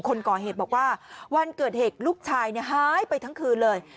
คนก่อเหตุบอกว่าวันเกิดเหตุลูกชายหายไปทั้งคืนเลย